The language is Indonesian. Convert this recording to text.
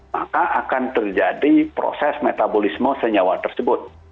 maka akan terjadi proses metabolisme senyawa tersebut